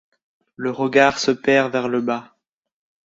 Le regard se perd vers le bas.